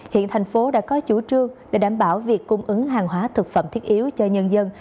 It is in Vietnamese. hiện thành phố đã có chủ trương để đảm bảo việc cung ứng hàng hóa thực phẩm thiết yếu cho nhân dân